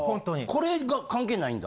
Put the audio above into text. これが関係ないんだ？